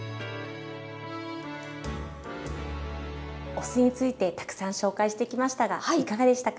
お酢についてたくさん紹介してきましたがいかがでしたか。